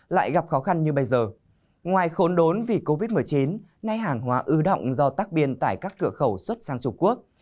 lại gặp khó khăn như bây giờ ngoài khốn đốn vì covid một mươi chín nay hàng hóa ưu động do tác biên tại các cửa khẩu xuất sang trung quốc